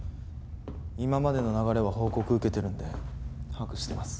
今までの流れは報告受けてるんで把握してます。